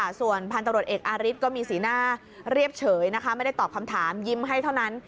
ส่วนพันธุ์ตำรวจเอกอาริสก็มีสีหน้าเรียบเฉยนะคะไม่ได้ตอบคำถามยิ้มให้เท่านั้น